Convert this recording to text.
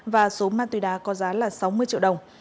và số ma túy đá có giá là sáu mươi triệu đồng